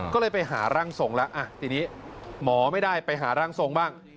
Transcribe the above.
ก็เลยไปหาร่างทรงแล้วทีนี้หมอไม่ได้ไปหาร่างทรงบ้าง